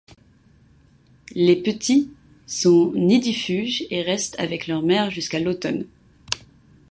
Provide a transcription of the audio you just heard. Les petits sont nidifuges et restent avec leur mère jusqu'à l'automne.